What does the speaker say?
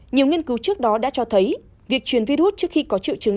nhiều nghiên cứu trước đó đã cho thấy việc truyền virus trước khi có triệu chứng